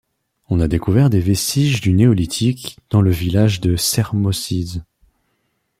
On a découvert des vestiges du Néolithique dans le village de Čermožiše.